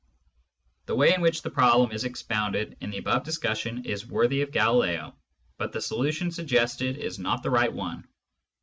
The way in which the problem is expounded in the above discussion is worthy of Galileo, but the solution suggested is not the right one.